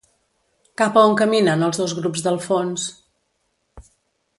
Cap a on caminen els dos grups del fons?